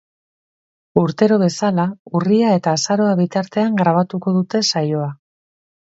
Urtero bezala, urria eta azaroa bitartean grabatuko dute saioa.